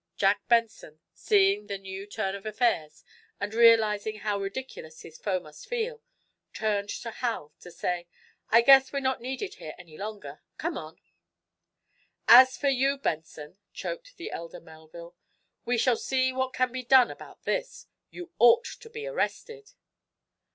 Jack Benson, seeing the new turn of affairs, and realizing how ridiculous his foe must feel, turned to Hal to say: "I guess we're not needed here any longer. Come on." "As for you, Benson," choked the elder Melville, "we shall see what can be done about this. You ought to be arrested."